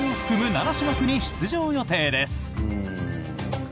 ７種目に出場予定です！